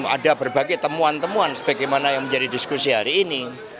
ada berbagai temuan temuan sebagaimana yang menjadi diskusi hari ini